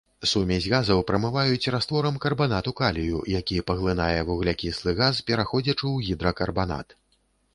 Сумесь газаў прамываюць растворам карбанату калію, які паглынае вуглякіслы газ, пераходзячы ў гідракарбанат.